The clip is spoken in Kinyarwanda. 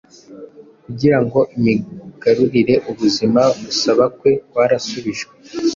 kugira ngo imugarurire ubuzima. Gusaba kwe kwarasubijwe.